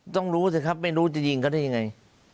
ต้องรู้สิครับไม่รู้จะยิงเขาได้ยังไง